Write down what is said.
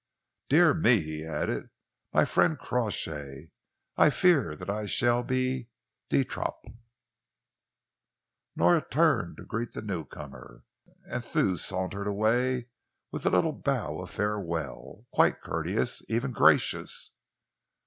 Dear me," he added, "my friend Crawshay! I fear that I shall be de trop." Nora turned to greet the newcomer, and Thew sauntered away with a little bow of farewell, quite courteous, even gracious.